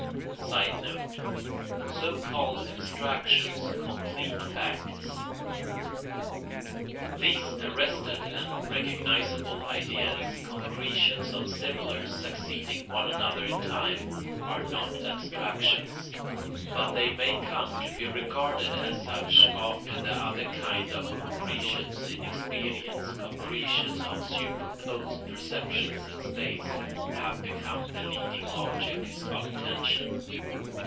[Sidenote: So called abstractions complete facts.] These arrested and recognisable ideas, concretions of similars succeeding one another in time, are not abstractions; but they may come to be regarded as such after the other kind of concretions in experience, concretions of superposed perceptions in space, have become the leading objects of attention.